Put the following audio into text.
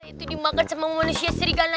itu dimakan sama manusia sirigana